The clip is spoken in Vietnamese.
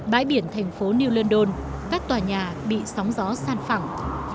bãi biển thành phố new london các tòa nhà bị sóng gió san phẳng